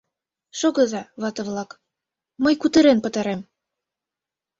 — Шогыза, вате-влак, мый кутырен пытарем.